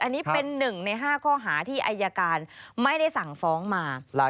อันนี้เป็น๑ใน๕ข้อหาที่อายการไม่ได้สั่งฟ้องมา